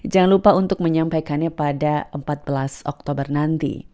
jangan lupa untuk menyampaikannya pada empat belas oktober nanti